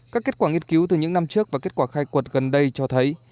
các kết quả nghiên cứu từ những năm trước và kết quả khai quật gần đây cho thấy